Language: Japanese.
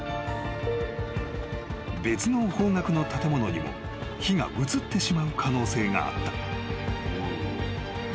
［別の方角の建物にも火が移ってしまう可能性があった］